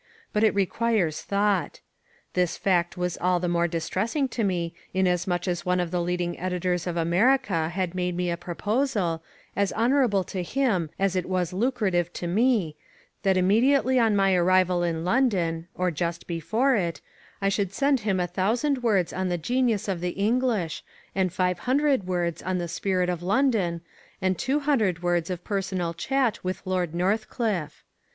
But it requires thought. This fact was all the more distressing to me in as much as one of the leading editors of America had made me a proposal, as honourable to him as it was lucrative to me, that immediately on my arrival in London; or just before it, I should send him a thousand words on the genius of the English, and five hundred words on the spirit of London, and two hundred words of personal chat with Lord Northcliffe.